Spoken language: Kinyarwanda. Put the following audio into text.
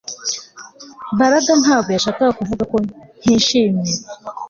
Mbaraga ntabwo yashakaga kuvuga ko nkishimwe